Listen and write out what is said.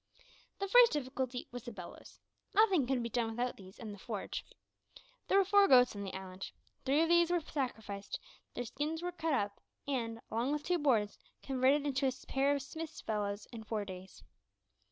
The first difficulty was the bellows. Nothing could be done without these and the forge. There were four goats on the island. Three of these were sacrificed; their skins were cut up, and, along with two boards, converted into a pair of smith's bellows in four days.